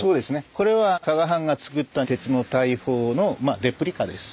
これは佐賀藩がつくった鉄の大砲のまあレプリカです。